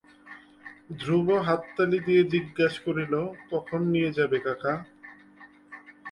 ধ্রুব হাততালি দিয়া জিজ্ঞাসা করিল, কখন নিয়ে যাবে কাকা?